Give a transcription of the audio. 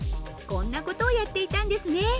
こんなことをやっていたんですね